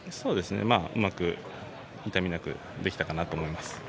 うまく痛みなくできたかなと思います。